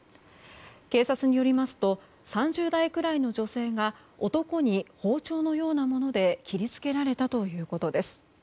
警察によりますと３０代くらいの女性が男に包丁のようなもので切り付けられたということです。